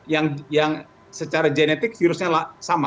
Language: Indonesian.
yang secara genetik virusnya sama